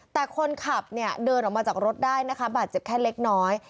แต่คนขับเนี่ยเดินออกมาจากรถได้นะคะบาดเจ็บแค่เล็กน้อย